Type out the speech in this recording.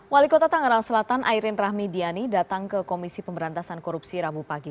wali kota tangerang selatan ayrin rahmi diani datang ke komisi pemberantasan korupsi rabu pagi